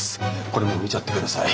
これも見ちゃってください。